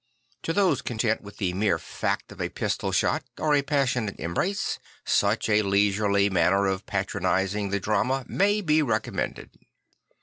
To those content \vith the mere fact of a pistol shot or a passionate embrace, such a leisurely manner of patronising the drama may be recommended.